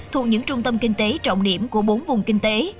thuộc những trung tâm kinh tế trọng điểm của bốn vùng kinh tế